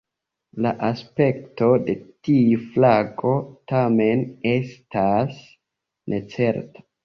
La aspekto de tiu flago tamen estas necerta.